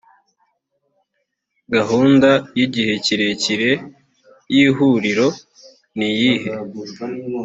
gahunda y igihe kirekire y ihuriro niyihe